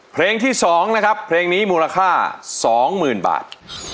เพลงที่สองนะครับเพลงนี้มูลค่าสองหมื่นบาท